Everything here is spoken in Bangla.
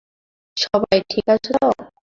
সবাই ঠিক আছ তো?